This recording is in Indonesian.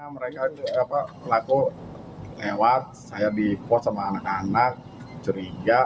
mereka melakukan lewat saya dipot sama anak anak curiga